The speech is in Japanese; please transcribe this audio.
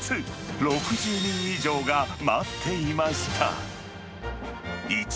６０人以上が待っていました。